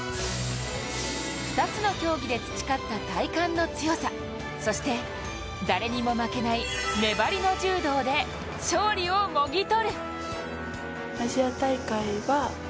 ２つの競技で培った体幹の強さ、そして、誰にも負けない粘りの柔道で勝利をもぎ取る！